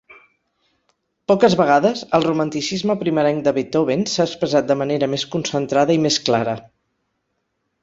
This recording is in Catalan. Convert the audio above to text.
Poques vegades el romanticisme primerenc de Beethoven s'ha expressat de manera més concentrada i més clara.